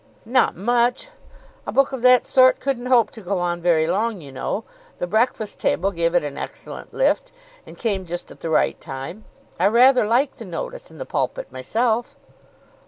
"Not much. A book of that sort couldn't hope to go on very long, you know. The 'Breakfast Table' gave it an excellent lift, and came just at the right time. I rather like the notice in the 'Pulpit,' myself."